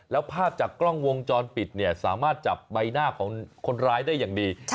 แล้วภาพจากกล้องวงจรปิดเนี่ยสามารถจับใบหน้าของคนร้ายได้อย่างดี